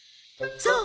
そう！